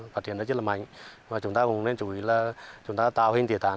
phát hiện rất là mạnh và chúng ta cũng nên chủ yếu là chúng ta tạo hình tỉa tán